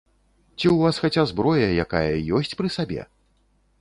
Ці ў вас хаця зброя якая ёсць пры сабе?